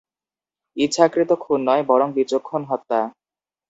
ইচ্ছাকৃত খুন নয়, বরং বিচক্ষণ হত্যা।